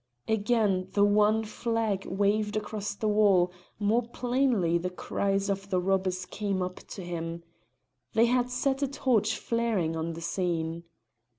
Again the wan flag waved across the wall, more plainly the cries of the robbers came up to him. They had set a torch flaring on the scene.